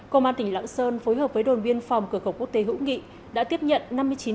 công an tỉnh lạng sơn phối hợp với đồn biên phòng cửa khẩu quốc tế hữu nghị đã tiếp nhận